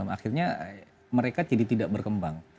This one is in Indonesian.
akhirnya mereka jadi tidak berkembang